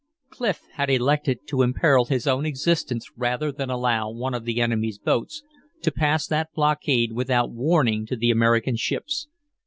Clif had elected to imperil his own existence rather than allow one of the enemy's boats to pass that blockade without warning to the American ships.